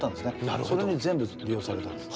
それに全部利用されたんです。